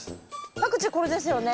パクチーこれですよね？